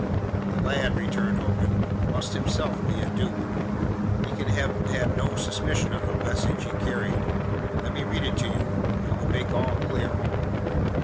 "The lad," returned Hogan, "must be himself a dupe. He can have had no suspicion of the message he carried. Let me read it to you; it will make all clear."